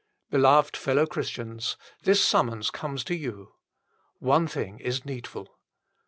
Beloved fellow Christians, this summons comes to you. " One thing is needful."